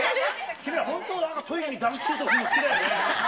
君ら、本当にトイレにダンクシュートするの好きだね。